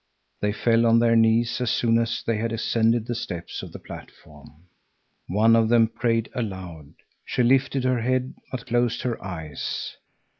They fell on their knees as soon as they had ascended the steps of the platform. One of them prayed aloud. She lifted her head, but closed her eyes.